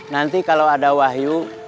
nanti kalau ada wahyu